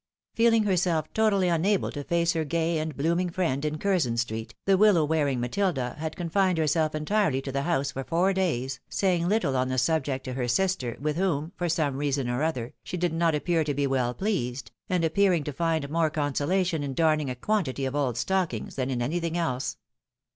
Feeling herself totally unable to face her gay and blooming friend in Curzon street, the wOow wearing Matilda had con fined herself entirely to the house for four days, saying little on the subject to her sister, with whom, for some reason or other, she did not appear to be well pleased, and appearing to find more consolation in darning a quantity of old stockings, than in anything else.